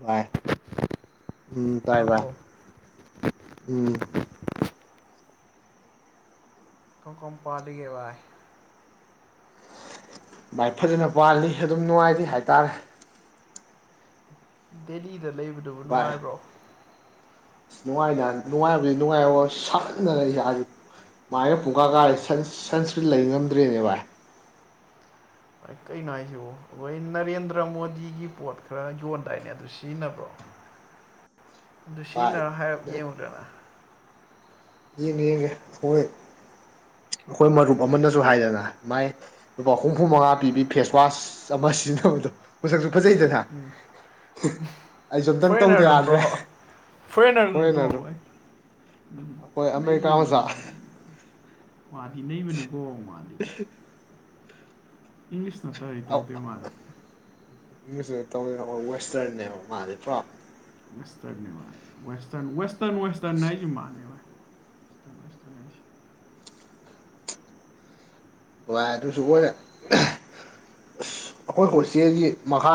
ꯚꯏ ꯎ ꯇꯥꯏ ꯚ ꯇꯥꯕ꯭ꯔꯣ ꯎ ꯀ ꯀꯝ ꯄꯜꯂꯤꯒꯦ ꯚꯥꯏ ꯚꯥꯏ ꯐꯖꯅ ꯄꯥꯜꯂꯤ ꯑꯗꯨꯝ ꯅꯨꯡꯉꯥꯏꯔꯤ ꯍꯥꯏꯇꯥꯔꯦ ꯗꯦꯜꯂꯤꯗ ꯂꯩꯕꯗꯨꯕꯨ ꯅꯨꯡꯉꯥꯏꯕ꯭ꯔꯣ ꯑ ꯅꯨꯡꯉꯥꯏ ꯅꯨꯡꯉꯥꯏꯕꯗꯤ ꯅꯨꯡꯉꯥꯏꯔ ꯁꯥꯟꯗꯔ ꯏꯁꯥꯥꯁ ꯃꯥꯥꯏꯅ ꯄꯨꯀꯥ ꯀꯥꯦ ꯁꯟꯁꯀ꯭ꯔꯤꯟ ꯂꯩ ꯉꯝꯗ꯭ꯔꯦꯅꯦ ꯚꯥꯏ ꯍ ꯀꯩꯅꯣ ꯍꯥꯏꯁꯤꯕ ꯑꯩꯈꯣꯏ ꯅꯔꯦꯟꯗ꯭ꯔ ꯃꯣꯗꯤꯒꯤ ꯄꯣꯠ ꯈꯔ ꯌꯣꯟꯗꯥꯏꯅꯦ ꯑꯗꯨ ꯁꯤꯖꯤꯟꯅꯕ꯭ꯔꯣ ꯚꯥꯏ ꯗꯨꯁꯤꯅꯔ ꯍꯥꯏꯔ ꯌꯦꯡꯉꯨꯗꯅ ꯌꯦꯡꯉꯦ ꯌꯦꯡꯉꯦ ꯑꯩꯈꯣꯏ ꯑꯩꯈꯣꯏ ꯃꯔꯨꯞ ꯑꯃꯅꯁꯨ ꯍꯥꯏꯗꯅ ꯃꯥꯏ ꯍꯨꯝꯐꯨ ꯃꯉꯥ ꯎꯝ ꯄꯤꯕꯤ ꯐꯦꯁꯋꯥꯁ ꯑꯃ ꯁꯤꯖꯤꯟꯅꯕꯗꯣꯁ ꯐꯖꯩꯗꯅ ꯎꯝ ꯑꯩꯁꯨ ꯑꯝꯇꯪ ꯇꯧꯗ ꯌꯥꯗ꯭ꯔꯦ ꯐꯣꯔꯔ ꯐꯣꯔꯦꯟꯅꯔꯗꯣ ꯄ꯭ꯔꯣꯕ ꯎꯝ ꯑꯩꯈꯣꯏ ꯑꯃꯦꯔꯤꯀꯥ ꯅꯕꯅꯤ ꯃꯆꯥ ꯃꯥꯜꯂꯤ ꯃꯥꯗꯤ ꯅꯩꯕꯅꯤꯀꯣ ꯃꯥꯗꯤ ꯏꯪꯂꯤꯁ ꯁꯠꯇꯔꯤ ꯇꯧꯗ ꯃꯥꯖꯤ ꯇꯧꯋꯦꯅ ꯑꯩꯈꯣꯏ ꯋꯦꯁꯇꯔꯟꯅꯦꯕ ꯃꯥꯗꯤ ꯄꯨ꯭ꯔꯞ ꯦꯁꯇꯔ ꯋꯁꯇꯔꯅ ꯋꯁꯇꯔꯅ ꯋꯦꯁꯇꯔꯅ ꯅꯖ ꯃꯥ ꯇꯃꯦꯁꯇꯃꯦ ꯚꯏ ꯑꯗꯨꯁꯨ ꯑꯣꯏꯔꯦ ꯑꯁ ꯑꯩꯈꯣꯏ ꯍꯧꯆꯦꯜꯒꯤ ꯃꯈꯥ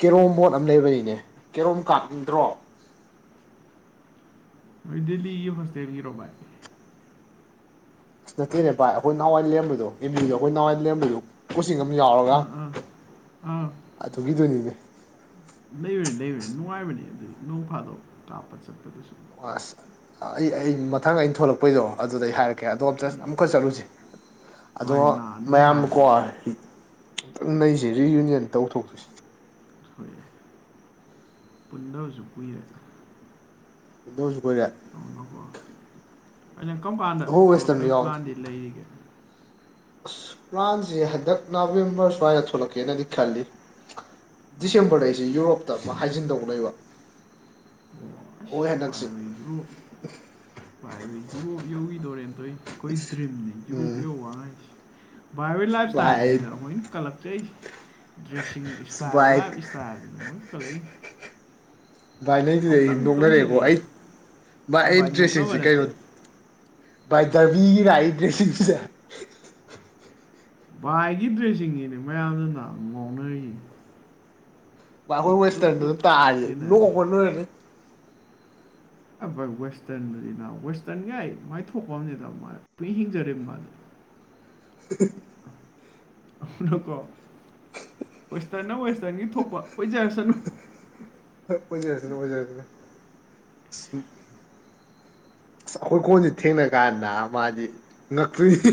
ꯀꯦꯔꯣꯝ ꯕꯣꯠ ꯑꯃ ꯂꯩꯕꯅꯤꯅꯦ ꯀꯦꯔꯣꯝ ꯀꯥꯞꯅꯤꯡꯗ꯭ꯔꯣ ꯗꯤꯗꯤ ꯐꯁꯇꯒꯤ ꯔꯣꯕꯥ ꯑꯁ ꯅꯠꯇꯦꯅꯦ ꯚꯥꯏ ꯑꯩꯈꯣꯏ ꯅꯍꯥꯟꯋꯥꯏꯔꯕꯗꯣ ꯑꯦꯝꯕꯤꯗꯣ ꯑꯩꯈꯣꯏ ꯅꯍꯋꯥꯏꯔꯕꯗꯨ ꯆꯤꯡ ꯑꯃ ꯌꯥꯎꯔꯒ ꯑꯥ ꯑꯥ ꯑꯥ ꯑꯗꯨꯈꯤꯗꯣꯏꯅꯤꯅꯦ ꯂꯩꯕꯅꯤ ꯂꯩꯕꯅꯦ ꯅꯨꯡꯉꯥꯏꯕꯅꯤ ꯑꯗꯨꯗꯤ ꯅꯣꯡ ꯐꯥꯗꯣꯛ ꯀꯥꯞꯄ ꯆꯠꯄꯗꯨꯁꯨ ꯑꯁ ꯑꯩ ꯑꯩ ꯃꯊꯪ ꯑꯩꯅ ꯊꯣꯛꯂꯛꯄꯩꯗꯣ ꯑꯗꯨꯗ ꯑꯩ ꯍꯥꯏꯔꯛꯀꯦ ꯑꯣꯀꯦ ꯑꯗꯣ ꯎꯝ ꯑꯃꯨꯛꯈ ꯆꯠꯂꯨꯁꯦ ꯑꯗꯣ ꯍꯣꯏ ꯅꯥꯟ ꯃꯌꯥꯝꯀꯣ ꯅꯩꯈꯥꯏꯔꯨꯔꯁꯤ ꯇꯪ ꯅ ꯑꯩꯁꯦ ꯔꯤꯌꯨꯅꯤꯌꯟ ꯇꯧꯊꯣꯛꯇꯣꯏꯁꯤ ꯍꯣꯏ ꯄꯨꯟꯗ ꯍꯧꯁꯨ ꯀꯨꯏꯔꯦ ꯏꯗꯣꯁꯨꯄꯔꯦ ꯑꯗꯨꯅꯀꯣ ꯑꯩꯅ ꯀꯝꯕꯥꯥꯟꯗ ꯊꯣꯛꯂꯛꯄꯩ ꯄ꯭ꯂꯥꯟꯗꯤ ꯂꯩꯔꯤꯒꯦ ꯑꯁ ꯄ꯭ꯂꯥꯟꯁꯦ ꯍꯟꯗꯛ ꯅꯕꯦꯝꯕꯔ ꯁ꯭ꯋꯥꯏꯗ ꯊꯣꯛꯂꯛꯀꯦꯅꯗꯤ ꯈꯜꯂꯤ ꯎꯝ ꯗꯤꯁꯦꯝꯕꯔꯗ ꯑꯩꯁꯦ ꯌꯨꯔꯣꯞꯇ ꯑꯃꯛ ꯍꯥꯏꯖꯤꯟ ꯇꯧ ꯂꯩꯕ ꯑꯩꯈꯣꯏ ꯍꯟꯗꯛꯁꯦ ꯑꯣꯁ ꯏꯒꯨꯔꯨꯏ ꯑ ꯌꯨꯔꯣꯞ ꯌꯧꯈꯤꯗꯣꯔꯦꯅ ꯇ ꯑꯩꯈꯣꯏ ꯗ꯭ꯔꯤꯝꯅꯦ ꯌꯨꯔꯣꯞ ꯎꯝ ꯌꯧꯧꯕ ꯍꯥꯏꯁꯦ ꯕꯥꯏꯋꯦ ꯂꯥꯏꯐ ꯏꯁ ꯚꯥꯏ ꯑꯩ ꯇꯇꯥꯏꯔ ꯍꯣꯏꯅꯤ ꯀꯜꯞ ꯗ꯭ꯔꯦꯁꯤꯡ ꯏꯁꯇꯥꯜ ꯚꯥꯏ ꯂꯥ ꯏꯁꯇꯥꯜ ꯍꯅꯤ ꯀꯂ ꯁꯤꯗ ꯑꯩ ꯅꯣꯛꯅꯔꯛꯑꯦꯕꯣ ꯑꯩ ꯃꯥ ꯑꯦ ꯑꯩ ꯚꯥꯏ ꯅꯣꯛꯅꯕ ꯗ꯭ꯔꯦꯁꯁꯤꯡꯁꯤꯦ ꯀꯩꯅꯣ ꯅꯠꯇꯦ ꯚꯏ ꯗꯕꯤꯒꯤ ꯔꯥꯏ ꯗ꯭ꯔꯦꯁꯤꯁꯦ ꯚꯥꯏꯒꯤ ꯗ꯭ꯔꯦꯁꯁꯤꯡꯅꯦ ꯃꯌꯥꯝꯗꯨꯅ ꯉꯥꯎꯅꯔꯤꯌꯦ ꯈꯇ ꯇꯥꯔ ꯂꯅꯅꯤ ꯑ ꯚꯥꯏ ꯋꯦꯁꯇꯔꯟꯅꯤꯅ ꯋꯦꯁꯇꯔꯟꯒ ꯃꯥꯏ ꯊꯣꯛꯄꯅꯤꯗ ꯃꯥ ꯇꯨꯅ ꯍꯤꯡꯖꯔ ꯃꯥꯜꯅꯤ [unintelligible] [unintelligible] ꯑꯗꯨꯅꯀꯣ ꯋꯦꯁꯇꯔ ꯅ ꯋꯦꯁꯇꯔꯟꯒꯤ ꯊꯣꯛꯄ ꯀꯣꯏꯖꯔꯁꯅꯨ ꯄꯖꯇꯗ ꯑꯣꯖꯥꯇꯗ ꯎ ꯑꯁ ꯑꯩꯈꯣꯏ ꯀꯣꯟꯁꯦ ꯊꯦꯡꯅ ꯀꯥꯟꯗ ꯃꯥꯗꯤ ꯉꯛꯈꯔꯤ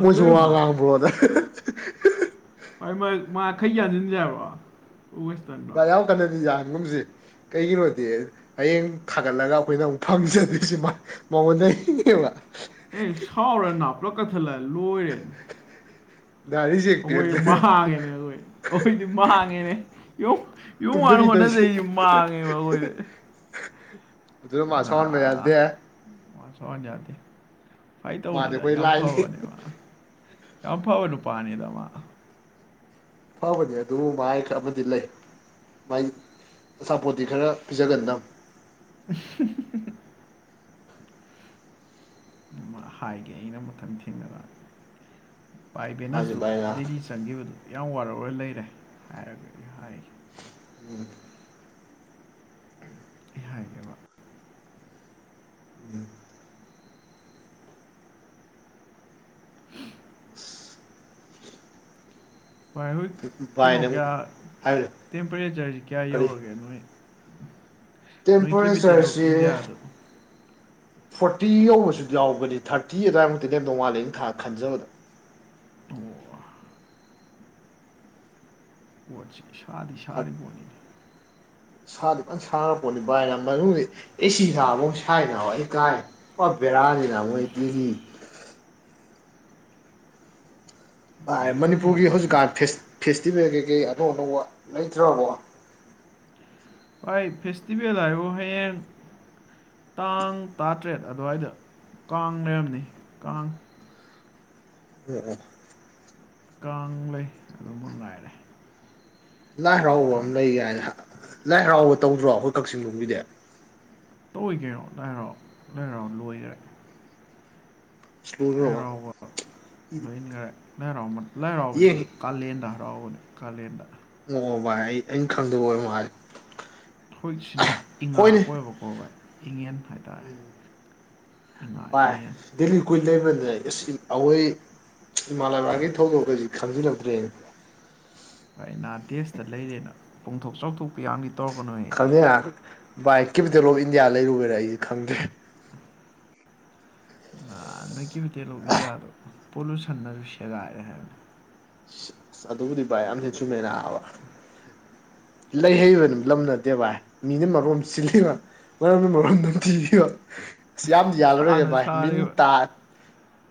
ꯃꯣꯏꯁꯨ ꯋꯥ ꯉꯥꯡꯕ꯭ꯔꯣꯗ ꯃꯥꯈꯩ ꯌꯥꯥꯁꯤꯟꯁꯕꯣ ꯌꯥ ꯀꯗꯗꯤ ꯌꯥꯒ ꯨꯝꯁꯦ ꯀꯩꯒꯤꯅꯣꯗꯤ ꯍꯌꯦꯡ ꯊꯥꯒꯠꯂꯒ ꯑꯩꯈꯣꯏꯅ ꯑꯃꯨꯛ ꯐꯝꯁꯦ ꯑꯗꯨꯉ ꯕ ꯑꯦ ꯁꯥꯎꯔꯦ ꯅꯥ ꯄꯨꯂꯞ ꯀꯛꯊꯠꯂꯦ ꯂꯣꯏꯔꯦ ꯗꯥꯏꯔꯤ ꯆꯦꯛ ꯄꯤꯔꯛꯇꯅ ꯑꯩꯣꯏ ꯒꯦꯅꯦꯣꯏ ꯑꯩꯈꯣꯏꯗꯤ ꯃꯥꯡꯉꯦꯅꯦ ꯌꯨꯝ ꯌꯨꯝ ꯃꯥꯅ ꯇꯨꯝꯗꯕꯤ ꯇꯧꯔꯤꯁꯦ ꯍꯣꯠꯅꯖꯩꯁ ꯃꯥꯡꯉꯦꯕ ꯑꯩꯈꯣꯏꯗ ꯑꯗꯨ ꯃꯥ ꯑꯁꯣꯟꯕ ꯌꯥꯗꯦ ꯋꯥ ꯁ ꯌꯥꯗꯤ ꯐꯥꯏ ꯇ ꯍꯅꯤ ꯃꯥꯗꯤ ꯊ ꯑꯩꯈꯣꯏ ꯌꯥꯝ ꯂꯥꯏꯅꯤ ꯑꯐꯥꯎꯅꯦ ꯃꯥ ꯑ ꯐꯥꯎꯋꯅꯨ ꯄꯥꯅꯤꯗꯃ ꯐꯕꯅꯤ ꯑꯗꯨ ꯃꯥꯏ ꯈ ꯑꯃꯗꯤ ꯂꯩ ꯃꯥꯏ ꯑꯁꯄꯣꯔꯠꯇꯤ ꯈꯔ ꯄꯤꯖꯒꯟꯗ [inaudible] ꯍꯥꯏꯒꯦ ꯑꯩꯅ ꯃꯊꯪ ꯊꯦꯡꯅꯔꯛꯑ ꯄꯥꯏ ꯍꯥꯏꯁꯦ ꯕꯦꯅꯁꯇꯨ ꯚꯥꯏꯅ ꯗꯦꯗꯤ ꯆꯪꯈꯤꯕꯗꯨ ꯌꯥꯝ ꯋꯥꯔꯔ ꯂꯩꯔꯦ ꯍꯥꯏꯔꯒ ꯑꯩ ꯍꯥꯏꯒ ꯎꯝ ꯑꯩ ꯍꯥꯏꯒꯦꯕ ꯎꯝ ꯎ ꯍꯣꯏ ꯍꯖꯤꯛ ꯀꯩꯅꯣ ꯚꯥꯏꯅ ꯀꯌꯥ ꯍꯥꯏꯕꯅꯦ ꯇꯦꯝꯄꯔꯦꯆꯔꯁꯤ ꯀꯌꯥ ꯀꯔꯤ ꯌꯧꯔꯒꯦ ꯅꯣꯏ ꯅꯣꯏꯀꯤꯦꯕꯤꯤꯇꯦ ꯂꯣꯞ ꯇꯦꯝꯄꯔꯦꯆꯔꯁꯤ ꯏꯗ ꯑꯗ ꯐꯣꯔꯇꯤ ꯌꯧꯕꯁꯨ ꯌꯥꯎꯕꯅꯤ ꯊꯥꯔꯇꯤ ꯑꯗꯨꯋꯥꯏꯃꯨꯛꯇꯤ ꯂꯦꯝ ꯅꯣꯡ ꯃꯥꯥꯜꯂꯦ ꯑꯩꯅ ꯊꯥ ꯈꯟꯖꯕꯗ ꯑꯣ ꯣꯠꯁꯤ ꯁꯥꯗꯤ ꯁꯥꯔꯤꯕꯣꯅꯤꯅꯤ ꯁꯥꯗꯨ ꯂ ꯁꯥꯡꯉ ꯄꯣꯠꯅꯤ ꯚꯥꯏꯅ ꯃꯅꯨꯡꯗ ꯑꯦꯁꯤ ꯁꯥꯕꯥꯎ ꯁꯥꯏꯅ ꯍ ꯑꯩ ꯀꯥꯏꯔꯦ ꯕꯦꯔꯥꯅꯤꯅ ꯃꯣꯏꯗꯤ ꯕꯦꯔꯥꯅꯤꯗ ꯃꯅꯤꯄꯨꯔꯒꯤ ꯚꯥꯏ ꯍꯧꯖꯤꯛꯀꯥꯟ ꯐꯦ ꯤꯕꯦ ꯀꯩꯀꯩ ꯑꯅꯧ ꯑꯅꯧꯕ ꯂꯩꯇ꯭ꯔꯕꯣ ꯚꯥꯏ ꯐꯦꯁꯇꯤꯚꯦꯜ ꯍꯥꯏꯣ ꯍꯌꯦꯡ ꯇꯥꯡ ꯇꯔꯥꯇꯔꯦꯠ ꯑꯗꯨꯋꯥꯏꯗ ꯀꯥꯡ ꯂꯩꯔꯝꯅꯤ ꯀꯥꯡ ꯎ ꯑ ꯀꯥꯡ ꯂꯩ ꯑꯗꯨ ꯃ ꯉꯅꯥꯏꯔꯦ ꯂꯥꯏ ꯍꯔꯥꯎꯕ ꯑꯃ ꯂꯩꯒ ꯍꯥꯏꯅ ꯂꯥꯏ ꯍꯔꯥꯎꯕ ꯇꯧꯗ꯭ꯔꯣ ꯑꯩꯈꯣꯏ ꯀꯛꯆꯤꯡꯕꯣꯒꯤꯗꯤ ꯇ ꯑꯣꯏꯒꯦꯔꯣ ꯅꯅꯥꯏꯔꯣ ꯅꯣꯏꯔꯣ ꯂꯣꯏꯈꯔꯦ ꯂꯥꯏ ꯁꯦꯛꯃꯨꯅꯔꯋꯥ ꯍꯔꯥꯎꯕ ꯂꯣꯏꯈꯔꯦ ꯂꯥꯏ ꯍꯔꯥꯎ ꯃꯠ ꯂꯥꯏ ꯍꯔꯥꯎꯕꯁꯤ ꯀꯥꯂꯦꯟꯗ ꯍꯔꯥꯎꯕꯅꯤ ꯀꯥꯂꯦꯟꯗ ꯑꯣꯛꯑꯣ ꯚꯥꯏ ꯑꯩ ꯑꯩꯅ ꯈꯪꯗꯕꯑꯣꯏꯔ ꯃꯥꯏ ꯍꯧꯏꯛꯁꯤꯅ ꯏꯉꯥ ꯀꯣꯏꯋꯦꯕꯀꯣ ꯚꯥꯏ ꯏꯉꯟ ꯍꯥꯏꯇꯥꯔꯦ ꯏꯉꯥ ꯚꯥꯏ ꯏꯉꯦꯟ ꯗꯤꯜꯂꯤ ꯀꯨꯏꯅ ꯂꯩꯕ ꯑꯦ ꯏꯁꯀꯤꯟ ꯑꯑꯣꯏ ꯏꯃꯥ ꯂꯩꯕꯥꯛꯒꯤ ꯊꯧꯗꯣꯛꯈꯩꯁꯤ ꯈꯪꯖꯤꯜꯂꯛꯇ꯭ꯔꯦꯅꯦ ꯄꯨꯡꯊꯣꯛ ꯆꯥꯎꯊꯣꯛꯄꯤ ꯌꯥꯝꯃꯤ ꯈꯪꯗꯦꯅ ꯚꯥꯏ ꯀꯦꯄꯤꯇꯦꯜ ꯑꯣꯐ ꯏꯟꯗꯤꯌꯥ ꯂꯩꯔꯨꯕꯩꯔ ꯑꯩꯖꯤ ꯈꯪꯗ꯭ꯔꯦ ꯑ ꯅꯣꯏ ꯀꯦꯄꯤꯇꯦꯜ ꯑꯣꯝ ꯏꯟꯗꯤꯌꯥ ꯗꯣ ꯄꯣꯂꯨꯁꯟ ꯅꯁꯨ ꯁꯦꯒꯥꯏꯔꯦ ꯍꯥꯏꯕ ꯑꯁ ꯑꯗꯨꯕꯨꯗꯤ ꯚꯥꯏ ꯌꯥꯝ ꯗꯤ ꯆꯨꯝꯃꯦꯅꯕ [inaudible] ꯂꯩꯍꯩꯕ ꯗꯨꯝ ꯂꯝꯅꯗꯦ ꯚꯥꯏ ꯃꯤꯅ ꯃꯔꯣꯝ ꯁꯤꯜꯂꯤꯕ ꯃꯅꯝꯅ ꯃꯔꯣꯝ ꯑꯝ ꯅꯝꯊꯤꯕꯤꯕ ꯑꯁ ꯌꯥꯝꯗꯤ ꯌꯥꯜꯂꯔꯣꯏꯒꯦ ꯁꯥꯅ ꯚꯥꯏ ꯃꯤꯟ ꯁꯥꯔꯤꯕ ꯇꯥ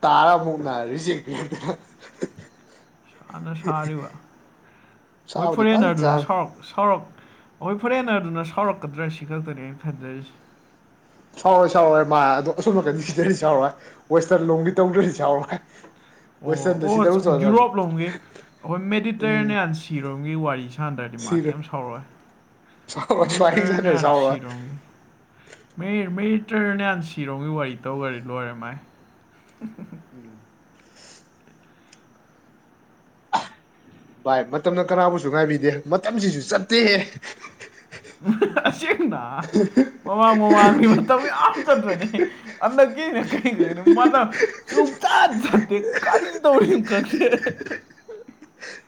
ꯇꯥꯔꯥ ꯑꯃꯨꯛ ꯅ ꯔꯤꯖꯦꯛ ꯄꯤꯔꯛꯇꯅ ꯑꯥꯅ ꯁꯥꯔꯤꯕ ꯍꯣꯏ ꯁꯥꯕꯨꯗꯤ ꯐꯖꯅ ꯐꯣꯔꯦꯟꯅꯔꯗꯨꯅ ꯁꯥꯔꯦ ꯁꯥꯎꯔꯛ ꯁꯥꯎꯔꯛ ꯍꯣꯏ ꯐꯔꯦꯅꯔ ꯗꯨꯅ ꯁꯥꯎꯔꯛꯀꯗ꯭ꯔꯥ ꯁꯤ ꯈꯛꯇꯅꯤ ꯑꯩꯟ ꯈꯟꯖꯔꯤꯁꯦ ꯁꯥꯎꯔꯣꯏ ꯁꯥꯎꯔꯣꯏ ꯃꯥ ꯑꯗꯣ ꯑꯁꯣꯝ ꯅꯀꯟ ꯁꯤꯗꯔꯏ ꯁꯥꯎꯔꯣꯏ ꯋꯦꯁꯇꯜ ꯂꯣꯝꯒꯤ ꯇꯧꯗ꯭ꯔꯗꯤ ꯁꯥꯎꯔꯣꯏ ꯑꯣ ꯋꯦꯁꯇꯔꯟꯗ ꯁꯤꯗꯔꯨ ꯑꯣꯆ ꯆꯠꯂ ꯌꯨꯔꯣꯞ ꯂꯝꯒꯤ ꯑꯈꯣꯏ ꯎꯝ ꯃꯦꯗꯤꯇꯔꯅꯤꯌꯥꯟ ꯁꯤꯔꯣꯝꯒꯤ ꯋꯥꯔꯤ ꯁꯥꯟꯗꯔꯦ ꯗꯤ ꯃꯥ ꯁꯤꯔꯦ ꯀꯦꯝ ꯁꯥꯎꯔꯣꯏ ꯁꯥꯎꯔꯣꯏ ꯁ꯭ꯋꯥꯏ ꯁꯥꯟꯅꯔ ꯃꯤꯇꯔꯅꯦꯟꯁꯤ ꯁꯥꯎꯔꯣꯏ ꯔꯨꯝ ꯃꯤ ꯃꯇ꯭ꯔꯅꯦꯟ ꯁꯤꯔꯣꯝꯒꯤ ꯋꯥꯔꯤ ꯇꯧꯒꯔ ꯂꯣꯏꯔꯦ ꯃꯥꯏ ꯎꯝ ꯚꯥꯏ ꯃꯇꯝꯅ ꯀꯅꯥꯕꯨꯁꯨ ꯉꯥꯏꯕꯤꯗꯦ ꯃꯇꯝꯁꯤꯁꯨ ꯆꯠꯇꯦꯍꯦ ꯑꯁꯦꯡꯅ ꯃꯃꯥꯡ ꯃꯃꯥꯡꯒꯤ ꯃꯇꯝ ꯌꯥꯝ ꯆꯠꯄꯅꯦ ꯑꯟꯗꯛ ꯒꯦꯅ ꯀꯩꯅꯣ ꯅꯪꯅ ꯃꯗ ꯆꯨꯝ ꯆꯥꯠ ꯆꯠꯇꯦ ꯀꯔꯤ ꯇꯧꯔꯤꯝ ꯈꯪꯗꯦ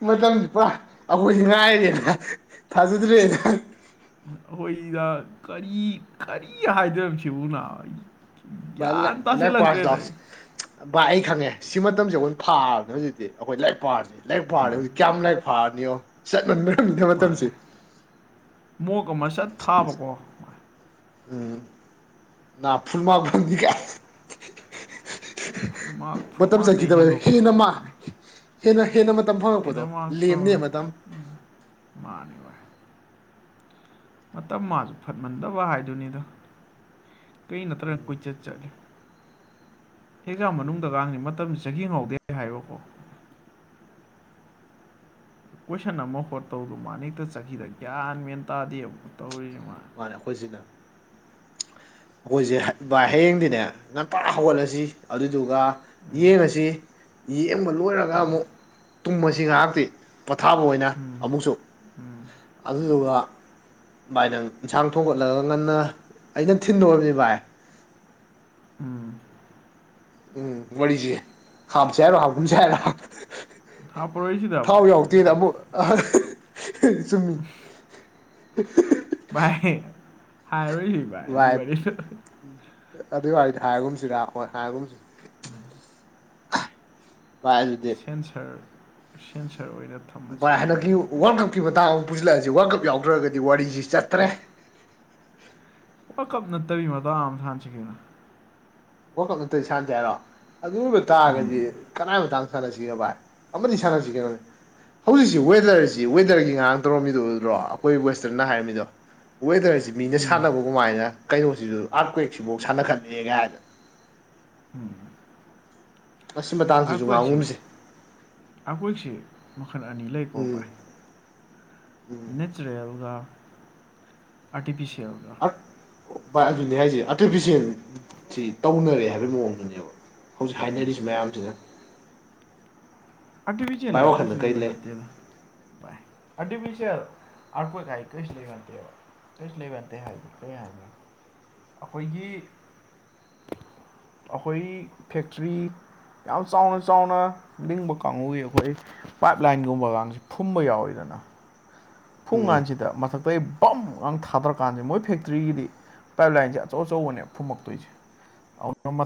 ꯃꯇꯝꯁꯤ ꯄꯨꯔ ꯑꯩꯈꯣꯏꯁꯤ ꯉꯥꯏꯔꯤꯅꯦ ꯊꯥꯖꯗ꯭ꯔꯦꯅ ꯑꯈꯣꯏ ꯏꯅ ꯀꯔꯤ ꯀꯔꯤ ꯍꯥꯏꯗꯣꯏꯝ ꯁꯤꯕꯨꯅ ꯚꯥꯏ ꯂ ꯂꯥꯏꯛ ꯄꯔꯁꯤ ꯂꯥꯎꯁꯦ ꯚ ꯑꯩ ꯈꯪꯉꯦ ꯁꯤꯃꯠ ꯃꯇꯝꯁꯦ ꯑꯈꯣꯏꯟ ꯐꯥꯕꯅꯦ ꯍꯣꯖꯤꯛꯇꯤ ꯑꯈꯣꯏ ꯂꯥꯏꯛ ꯄꯥꯔꯁꯦ ꯂꯥꯏꯔꯤꯛ ꯄꯥꯔꯗꯤ ꯍꯧꯖꯤꯛ ꯀꯌꯥꯝ ꯂꯥꯏꯔꯤꯛ ꯐꯥꯔꯅꯤꯅꯣ ꯆꯠꯃꯟꯕꯔ ꯃꯥꯅꯦ ꯃꯣꯛ ꯑꯃ ꯁꯠ ꯊꯥꯕꯀꯣ ꯎꯝ ꯅ ꯐꯨꯜꯃꯥꯛ ꯐꯪꯅꯤ ꯒꯥꯏ ꯐꯨꯃꯥꯛ ꯃꯇꯝ ꯐꯨꯜꯃꯥꯛꯇꯩ ꯆꯠꯈꯤꯗꯕ ꯍꯦꯟꯅ ꯍꯦꯟꯗꯣꯛꯇꯅ ꯃꯥ ꯅ ꯍꯦꯟꯅ ꯍꯦꯟꯅ ꯃꯇꯝ ꯀꯦꯅ ꯐꯪꯉꯛꯄꯗꯣ ꯃꯥꯥꯁ ꯂꯦꯝꯅꯦ ꯊꯧꯔꯅꯤ ꯃꯇꯝ ꯑꯝ ꯃꯥꯅꯤꯚꯥꯏ ꯃꯇꯝ ꯃꯥꯖꯨ ꯐꯠꯃꯟꯗꯕ ꯍꯥꯏꯗꯨꯅꯤꯗ ꯀꯩ ꯅꯠꯇ꯭ꯔꯅ ꯀꯣꯏꯆꯠ ꯆꯠꯂꯤ ꯑꯦꯛꯖꯥꯝ ꯃꯅꯨꯡꯗꯒꯥꯡꯗꯤ ꯃꯇꯝ ꯆꯠꯈꯤ ꯈꯪꯍꯧꯗꯦ ꯍꯦꯛ ꯍꯥꯏꯔꯣꯕꯣ ꯀꯣꯏꯁꯟ ꯑꯃ ꯍꯣꯠ ꯇꯧꯗꯨ ꯃꯥꯅ ꯍꯦꯛꯇ ꯆꯈꯤꯗ ꯒ꯭ꯌꯥꯟ ꯃꯦꯟ ꯇꯥꯗꯦꯕ ꯇꯧꯔꯤꯌꯨ ꯃꯥꯅꯦ ꯑꯩꯈꯣꯏꯁꯤꯅ ꯑꯈꯣꯏꯁꯦ ꯚꯥꯏ ꯍꯌꯦꯡꯗꯤꯅꯦ ꯉꯟꯇꯥ ꯍꯧꯒꯠꯂꯁꯤ ꯑꯗꯨꯏꯗꯨꯒ ꯎꯝ ꯌꯦꯡꯉꯁꯤ ꯌꯦꯡꯕ ꯂꯣꯏꯔꯒ ꯑꯃꯨꯛ ꯇꯨꯝꯃꯁꯤ ꯉꯍꯥꯛꯇꯤ ꯄꯣꯊꯥꯕ ꯑꯣꯏꯅ ꯎꯝ ꯑꯃꯨꯛꯁꯨ ꯎꯝ ꯑꯗꯨꯗꯨꯒ ꯚꯥꯏ ꯅꯪ ꯏꯟꯁꯥꯡ ꯊꯣꯡꯒꯠꯂꯒ ꯉꯟꯅ ꯑꯩꯅ ꯊꯤꯟꯗꯣꯑꯣꯝꯅꯤ ꯚꯥꯏ ꯎꯝ ꯎꯝ ꯋꯥꯔꯤꯖꯦ ꯍꯥꯞꯁꯦ ꯍꯥꯏꯔꯣ ꯍꯥꯀꯨꯝꯁꯦ ꯍꯥꯏꯔꯥ ꯍꯥꯞꯄꯔꯣꯏꯁꯤꯗ ꯊꯥꯎ ꯚꯥꯏ ꯑꯗꯨꯏ ꯌꯥꯎꯇꯦꯅ ꯄꯣꯠꯇꯣ ꯑꯃꯨꯛ ꯆꯨꯝꯃꯤ ꯍꯦ ꯍꯦꯍꯦ ꯚꯥꯏ ꯍꯥꯏꯔꯨ ꯋꯥꯏꯞ ꯑꯗꯨꯏ ꯋꯥꯗꯤ ꯍꯥꯏꯔꯒꯨꯝꯁꯤꯔ ꯍꯣꯏ ꯍꯥꯏꯔꯒꯨꯝꯁꯤ [unintelligible] ꯚꯥꯏ ꯑꯗꯨꯗꯤ ꯁꯌꯥꯝꯁ ꯚꯥꯏ ꯍꯟꯅꯀꯤ ꯋꯥꯔꯜ ꯀꯞꯀꯤ ꯃꯇꯥꯡ ꯑꯃ ꯄꯨꯖꯤꯜꯂꯛꯑꯖꯤ ꯋꯥꯔꯜ ꯀꯞ ꯌꯥꯎꯗ꯭ꯔꯒꯗꯤ ꯋꯥꯔꯤꯖꯤ ꯆꯇ꯭ꯔꯦ ꯄ ꯀꯞ ꯅꯠꯇꯕꯤ ꯃꯇꯥ ꯑꯃ ꯊꯥꯟꯁꯤꯒꯦꯅ ꯋꯥꯀ ꯅꯠꯇ ꯏꯁꯥꯟꯇ ꯍꯥꯏꯔꯣ ꯑꯗꯨ ꯑꯣꯏꯕ ꯎꯝ ꯇꯥꯔꯒꯗꯤ ꯀꯗꯥꯏ ꯃꯇꯥꯡ ꯁꯥꯟꯅꯁꯤꯒꯦ ꯚꯥꯏ ꯑꯃꯗꯤ ꯁꯥꯟꯅꯁꯤꯒꯦ ꯍꯧꯖꯤꯛꯁꯤ ꯋꯦꯗꯔꯁꯤ ꯋꯦꯗꯔꯒꯤ ꯉꯥꯏꯍꯥꯡ ꯇꯧꯔꯝꯃꯤꯗ ꯑꯗꯨ꯭ꯔꯣ ꯑꯩꯈꯣꯏ ꯋꯦꯁꯇꯔꯟꯅ ꯍꯥꯏꯔꯝꯃꯤꯗꯣ ꯋꯦꯗꯔꯁꯤ ꯃꯤꯅ ꯎꯝ ꯁꯥꯟꯅꯕꯒꯃꯥꯏꯅ ꯀꯩꯅꯣꯁꯤꯁꯨ ꯑꯥꯔꯠ ꯀ꯭ꯋꯦꯛꯁꯤꯐꯥꯎ ꯁꯥꯟꯅꯈꯠꯂꯛꯦ ꯀꯥꯏꯗꯅ ꯎꯝ ꯃꯁꯤ ꯃꯇꯥꯡꯁꯤꯁꯨ ꯉꯥꯡꯉꯨꯅꯁꯦ ꯑꯥꯔꯀ꯭ꯋꯦꯛꯁꯤ ꯃꯈꯜ ꯑꯅꯤ ꯂꯩꯀꯥꯎ ꯥꯏ ꯎꯝ ꯅꯦꯆꯔꯦꯜꯒ ꯑꯔꯇꯤꯐꯤꯁꯌꯥꯜ ꯚ ꯑꯗꯨꯅꯤ ꯍꯥꯏꯁꯦ ꯑꯥꯔꯇꯤꯐꯁꯤꯦꯜ ꯁꯤ ꯇꯧꯅꯔꯦ ꯍꯥꯏ ꯍꯥꯏꯕꯒꯤ ꯃꯑꯣꯡꯗꯨꯅꯦꯕ ꯍꯧꯖꯤꯛ ꯍꯥꯏꯅꯔꯤꯁꯤ ꯃꯌꯥꯝꯁꯤꯗ ꯑꯕꯤꯖꯦ ꯂꯥꯛ ꯀꯦꯁꯨ ꯂꯩꯦꯕ ꯅꯠꯇ ꯑ ꯑꯔ ꯀ ꯀ ꯀꯩꯁꯨ ꯂꯩꯕꯇꯦꯕ ꯀꯩꯁꯨ ꯂꯩꯕꯇꯦ ꯍꯥꯏ ꯀꯩ ꯍꯥꯏ ꯑꯩꯈꯣꯏꯒꯤ ꯑꯩꯈꯣꯏ ꯐꯦꯛꯇ꯭ꯔꯤ ꯌꯥꯝ ꯆꯥꯎꯅ ꯆꯥꯎꯅ ꯂꯤꯡꯕ ꯀꯥꯡꯕꯨꯒꯤ ꯑꯩꯈꯣꯏ ꯄꯥꯏꯞ ꯂꯥꯏꯟꯒꯨꯝꯕꯒꯁꯤ ꯐꯨꯝꯕ ꯌꯥꯎꯋꯤꯗꯅ ꯐꯨꯡ ꯎꯝ ꯀꯥꯟꯁꯤꯗ ꯃꯊꯛꯇ ꯑꯩ ꯕꯝꯒꯥꯡ ꯊꯥꯗꯔꯀꯥꯟꯁꯦ ꯃꯣꯏ ꯐꯦꯛꯇ꯭ꯔꯤꯒꯤꯗꯤ ꯄꯥꯏꯞ ꯂꯥꯏꯟꯁꯦ ꯑꯆꯧ ꯑꯆꯧꯕꯅꯦ ꯐꯨꯝꯃꯛꯇꯣꯏꯁꯦ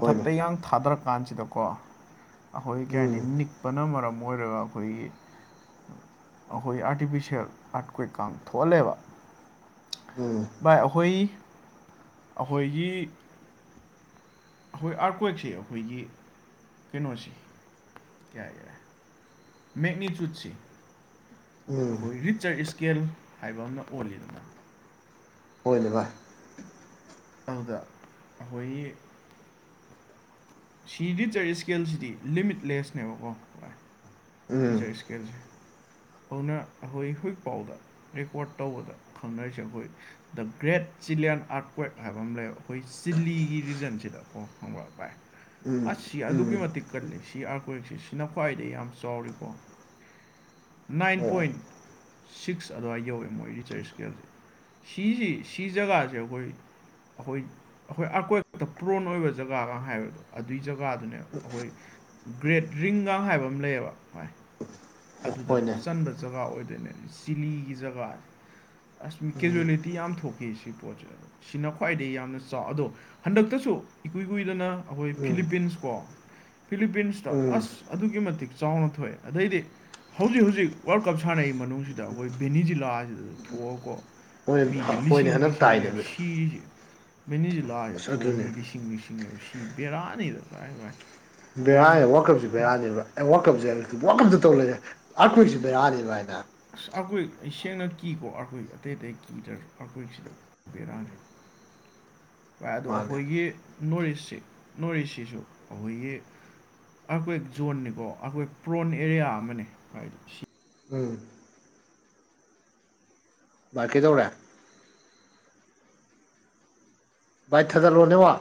ꯍꯣꯏꯅꯦ ꯊꯥꯗꯔ ꯀꯥꯟꯁꯤꯗꯀꯣ ꯑꯩꯈꯣꯏ ꯀꯩ ꯍꯥꯏꯅꯤ ꯎꯝ ꯅꯤꯛꯄꯅ ꯃꯔꯝ ꯑꯣꯏꯔꯒ ꯑꯩꯈꯣꯏꯒꯤ ꯑꯩꯈꯣꯏ ꯑꯥꯔꯇꯤꯐꯤꯁꯦꯜ ꯑꯠꯀꯨꯣꯏ ꯀꯥꯡ ꯊꯣꯛꯍꯜꯂꯦꯕ ꯎꯝ ꯚꯏ ꯑꯩꯈꯣꯏ ꯑꯩꯈꯣꯏꯒꯤ ꯑꯩꯈꯣꯏ ꯑꯥꯔꯀ꯭ꯋꯦꯛꯁꯦ ꯑꯩꯈꯣꯏꯒꯤ ꯀꯩꯅꯣꯁꯦ ꯌꯥꯏ ꯌꯥꯏ ꯃꯠꯅꯤ ꯆꯨꯠꯁꯤ ꯎꯝ ꯑꯩꯈꯣꯏ ꯔꯤꯠ ꯆꯔ ꯏꯁꯀꯦꯜ ꯍꯥꯏꯕ ꯑꯃꯅ ꯑꯣꯜꯂꯤꯗꯅ ꯍꯅꯦ ꯚꯥꯏ ꯑꯗꯨꯗ ꯑꯩꯈꯣꯏꯒꯤ ꯁꯤꯗꯤ ꯆꯔꯤ ꯏꯁꯀꯦꯜꯁꯤꯗꯤ ꯂꯤꯃꯤꯠꯂꯦꯁꯅꯦꯕꯀꯣ ꯍ ꯕꯤ ꯎꯝ ꯆꯥꯁꯀꯁꯤ ꯍꯧꯅ ꯑꯩꯈꯣꯏ ꯍꯧꯖꯤꯛ ꯄꯥꯎꯗ ꯔꯦꯀꯣꯔꯠ ꯇꯧꯕꯗ ꯈꯪꯅꯔꯤꯁꯦ ꯑꯩꯈꯣꯏ the great Chilean earthquake ꯍꯥꯏꯕ ꯑꯃ ꯂꯩꯕ ꯑꯩꯈꯣꯏ ꯆꯤꯂꯤꯒꯤ ꯔꯤꯖꯟꯁꯤꯗꯀꯣ ꯍꯪꯕ꯭ꯔꯛꯄꯥꯏ ꯎꯝ ꯑꯁ ꯁꯤ ꯑꯗꯨꯛꯀꯤ ꯎꯝ ꯃꯇꯤꯛ ꯀꯜꯂꯤ ꯁꯤ ꯑꯥꯔꯀ꯭ꯋꯛꯁꯦ ꯁꯤꯅ ꯈ꯭ꯋꯥꯏꯗꯒꯤꯩ ꯌꯥꯝ ꯆꯥꯎꯔꯤꯀꯣ ꯅꯥꯏꯟ ꯑꯣ ꯄꯣꯏꯟ ꯁꯤꯛꯁ ꯑꯗꯨꯋꯥꯏꯗ ꯌꯧꯋꯦ ꯃꯣꯏ ꯔꯤꯆꯥꯔꯖ ꯏꯁꯀꯦꯜꯁꯦ ꯁꯤꯁꯤ ꯁꯤꯤꯖꯒꯥ ꯆꯈꯣꯏ ꯑꯩꯈꯣꯏ ꯑꯩꯈꯣꯏ ꯑꯀꯣꯏ ꯈꯛꯇ ꯄ꯭ꯔꯣꯟ ꯑꯣꯏꯕ ꯖꯒꯥꯒ ꯍꯥꯏꯕꯕ ꯑꯗꯨꯏ ꯖꯒꯥꯗꯨꯅꯦ ꯑꯩꯈꯣꯏ ꯒ꯭ꯔꯦꯠ ꯔꯤꯡꯒ ꯍꯥꯏꯕ ꯑꯃ ꯂꯩꯌꯦꯕ ꯃꯥꯏ ꯎꯄꯜ ꯆꯟꯕ ꯖꯒꯥ ꯑꯣꯏꯗꯣꯏꯅꯦꯕ ꯆꯤꯂꯤꯒꯤ ꯖꯒꯥꯁꯦ ꯑꯁ ꯀꯦꯖꯨꯋꯦꯂꯤꯇꯤ ꯌꯥꯝ ꯊꯣꯛꯈꯤ ꯁꯤ ꯄꯣꯠꯁꯦ ꯑ ꯁꯤꯅ ꯈ꯭ꯋꯥꯏꯗꯒꯤꯩ ꯌꯥꯝꯅ ꯆꯥꯎ ꯑꯗꯣ ꯍꯟꯗꯛꯇ ꯏꯀꯨꯏ ꯀꯨꯏꯗꯅ ꯑꯩꯈꯣꯏ ꯎꯝ ꯐꯤꯂꯤꯄꯤꯟꯁ ꯀꯣ ꯐꯤꯂꯤꯄꯤꯟꯁꯇ ꯎꯝ ꯑꯁ ꯑꯗꯨꯛꯀꯤ ꯃꯇꯤꯛ ꯆꯥꯎꯅ ꯊꯣꯛꯑꯦ ꯑꯗꯩꯗꯤ ꯍꯧꯖꯤꯛ ꯍꯧꯖꯤꯛ ꯍꯧꯖꯤꯛ ꯋꯥꯔꯜ ꯀꯞ ꯁꯥꯟꯅꯩ ꯃꯅꯨꯡꯁꯤꯗ ꯑꯩꯈꯣꯏ ꯕꯦꯅꯤꯖꯤꯂꯥꯁꯤꯗ ꯊꯣꯛꯑꯀꯣ ꯍꯣꯏ ꯃꯤꯁꯤ ꯍꯣꯏꯅꯦ ꯂꯤꯁꯤꯡ ꯍꯟꯗꯛ ꯇꯥꯏꯅꯦ ꯂꯤꯁꯤꯡꯅꯦꯕ ꯁꯤꯁ ꯃꯦꯅꯤꯁꯤ ꯂꯥꯏꯁꯦ ꯑꯁ ꯑꯗꯨꯅꯦ ꯊꯣꯛꯑꯝꯃꯤ ꯂꯤꯁꯤꯡ ꯂꯤꯁꯤꯡꯑꯕ ꯁꯤ ꯕꯦꯔꯥꯅꯤꯗ ꯚꯥꯏ ꯚꯥꯏ ꯕꯦꯔꯥꯅꯦ ꯑꯩꯈꯣꯏ ꯋꯥꯔꯀꯞꯁ ꯕꯦꯔꯅꯦꯕ ꯑꯦ ꯋꯥꯔꯀꯞꯁꯦ ꯍꯥꯏꯕꯀ ꯇꯧ ꯂꯩꯁꯦ ꯑꯥꯔꯈꯣꯏꯁꯤꯕꯔꯥꯅꯤꯕ ꯍꯥꯏꯅ ꯑ ꯑꯩꯈꯣꯏ ꯁꯦꯡꯅ ꯀꯤꯀꯣ ꯑꯩꯈꯣꯏ ꯑꯇꯩ ꯑꯇꯩ ꯀꯤꯗ꯭ꯔ ꯑꯩꯥꯈꯣꯏꯁꯤꯗꯤ ꯔ ꯚꯥꯏ ꯑꯗꯣ ꯃꯥꯅꯦ ꯑꯩꯈꯣꯏꯒꯤ ꯅꯣꯔ ꯏꯁꯁꯤ ꯅꯣꯔ ꯏꯁꯁꯤꯁꯨ ꯑꯩꯈꯣꯏꯒꯤ ꯑꯩꯈꯣꯏ ꯖꯣꯟꯅꯤꯀꯣ ꯑꯩꯈꯣꯏ ꯄ꯭ꯔꯣꯟ ꯑꯦꯔꯤꯌꯥ ꯑꯃꯅꯦ ꯍꯥꯏꯗꯤ ꯁꯤ ꯎꯝ ꯚꯏ ꯀꯩꯗꯧꯔꯦ ꯕꯥꯊꯥꯗ ꯂꯣꯟꯅꯦ ꯋꯥ